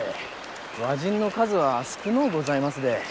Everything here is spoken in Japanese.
和人の数は少うございますで。